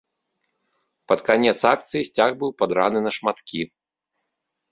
Пад канец акцыі сцяг быў падраны на шматкі.